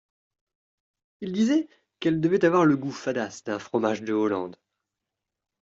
il disait qu’elle devait avoir le goût fadasse d’un fromage de Hollande.